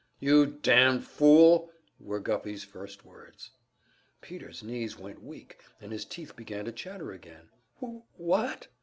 "You damned fool!" were Guffey's first words. Peter's knees went weak and his teeth began to chatter again. "Wh wh what?"